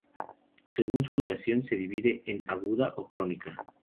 Según su duración se divide en aguda o crónica.